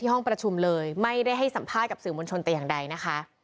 ห้องประชุมเลยไม่ได้ให้สัมภาษณ์กับสื่อมวลชนแต่อย่างใดนะคะ